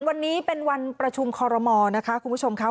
วันนี้เป็นวันประชุมคอลโมคุณผู้ชมครับ